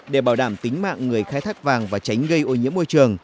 để bảo đảm tính mạng người khai thác vàng và tránh gây ô nhiễm môi trường